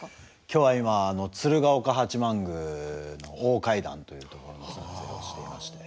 今日は今鶴岡八幡宮の大階段というところの撮影をしていまして。